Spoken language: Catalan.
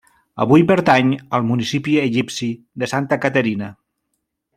Avui pertany al municipi egipci de Santa Caterina.